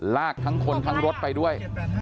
ลากทั้งคนทั้งรถไปด้วย